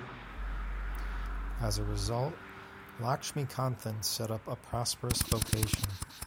As a result, Lakshmikanthan set up a prosperous vocation.